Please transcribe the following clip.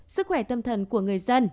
sức khỏe tâm thần của người dân